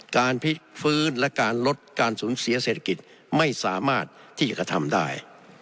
การพลิกฟื้นและการลดการสูญเสียเศรษฐกิจไม่สามารถที่จะกระทำได้